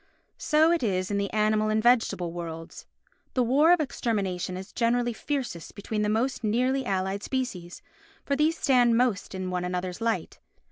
So it is in the animal and vegetable worlds. The war of extermination is generally fiercest between the most nearly allied species, for these stand most in one another's light.